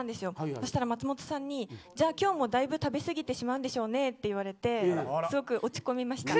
そしたら松本さんに、じゃあ今日もだいぶ食べ過ぎてしまうんでしょうねと言われてすごく、落ち込みました。